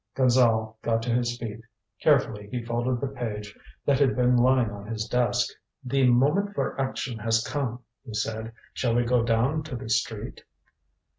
Gonzale got to his feet. Carefully he folded the page that had been lying on his desk. "The moment for action has come," he said. "Shall we go down to the street?"